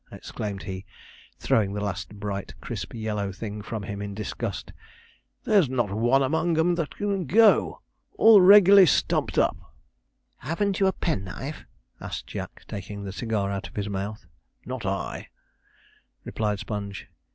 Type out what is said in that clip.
exclaimed he, throwing the last bright crisp yellow thing from him in disgust. 'There's not one among 'em that can go! all reg'larly stumped up.' 'Haven't you a penknife?' asked Jack, taking the cigar out of his mouth. 'Not I,' replied Sponge.